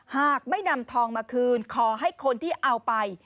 หากไม่นำทองมาคืนขอให้คนที่เอาไป